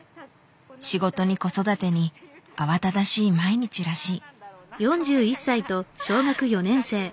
仕事に子育てに慌ただしい毎日らしい。